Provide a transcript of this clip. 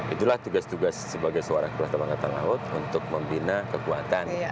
itulah tugas tugas sebagai seorang kepala temangkatan laut untuk membina kekuatan